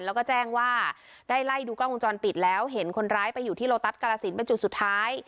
แล้วก็แจ้งว่าได้ไล่ดูกล้องวงจรปิดแล้วเห็นคนร้ายไปอยู่ที่โลตัสกาลสินเป็นจุดสุดท้าย